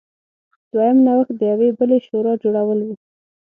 دویم نوښت د یوې بلې شورا جوړول و.